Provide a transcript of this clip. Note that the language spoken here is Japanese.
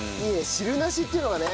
汁なしっていうのがね